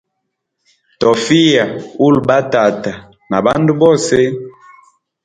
Tofiya uli ba tata na bandu bose.